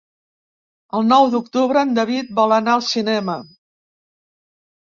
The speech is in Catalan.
El nou d'octubre en David vol anar al cinema.